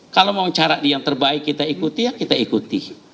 kalau mau cara yang terbaik kita ikuti ya kita ikuti